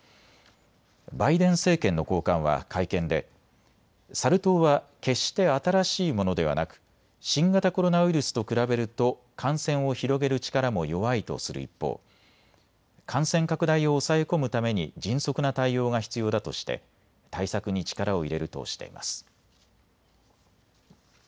バイデン政権の高官は会見でサル痘は決して新しいものではなく新型コロナウイルスと比べると感染を広げる力も弱いとする一方、感染拡大を抑え込むために迅速な対応が必要だとして対策に力を入れるとしています。